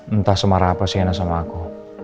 entah semarah apa sienna sama aku